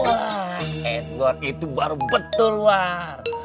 edward itu baru betul war